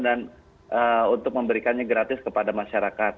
dan untuk memberikannya gratis kepada masyarakat